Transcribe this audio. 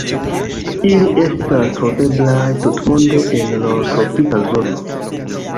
Ili estas troveblaj tutmonde en lo tropika zono.